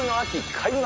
開幕。